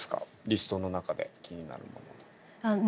リストの中で気になるものは。